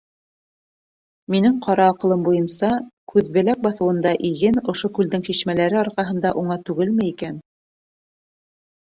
Минең ҡара аҡылым буйынса, Күҙбеләк баҫыуында иген ошо күлдең шишмәләре арҡаһында уңа түгелме икән?..